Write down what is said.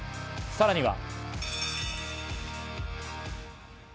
さらには。